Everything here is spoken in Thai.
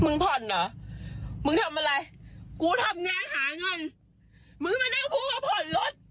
มึงผ่อนหรอมึงทำอะไรกูทำงานหาเงิน